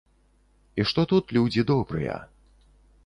І што тут людзі добрыя.